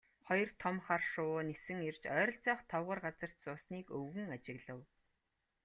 Хоёр том хар шувуу нисэн ирж ойролцоох товгор газарт суусныг өвгөн ажиглав.